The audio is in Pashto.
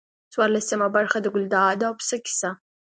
څوارلسمه برخه د ګلداد او پسه کیسه.